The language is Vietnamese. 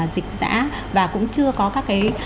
dịch giã và cũng chưa có các cái